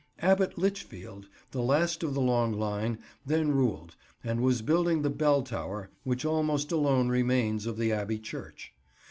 Abbot Lichfield, the last of the long line, then ruled, and was building the Bell Tower, which almost alone remains of the Abbey church.